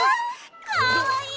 かわいい！